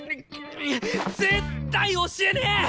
絶対教えねえ！